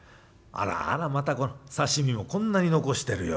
あらあらまたこの刺身もこんなに残してるよ。